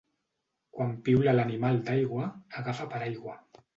Quan piula l'animal d'aigua, agafa paraigua.